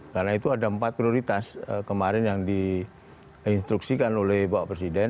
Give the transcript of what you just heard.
karena itu ada empat prioritas kemarin yang diinstruksikan oleh bapak presiden